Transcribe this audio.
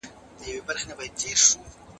ایا استازي په خپلو دندو کي خپلواک دي؟